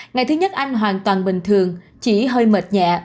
ngày thứ nhất anh hoàn toàn bình thường chỉ hơi mệt nhẹ